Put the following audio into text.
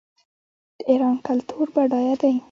د ایران کلتور بډایه دی.